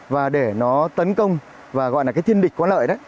và để nó tấn công và gọi là cái thiên địch có lợi đấy